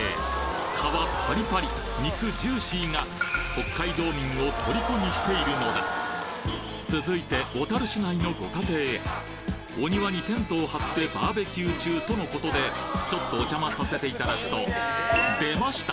皮パリパリ肉ジューシーが北海道民を虜にしているのだ続いて小樽市内のご家庭へお庭にテントを張ってバーベキュー中との事でちょっとお邪魔させていただくと出ました！